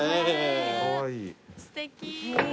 すてき。